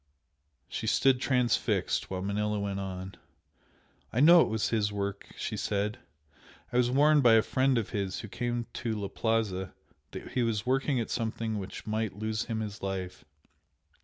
She stood transfixed, while Manella went on "I know it was his work!" she said "I was warned by a friend of his who came to 'la Plaza' that he was working at something which might lose him his life.